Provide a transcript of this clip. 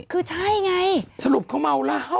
คือใช่ไงสรุปเขาเมาล่ะ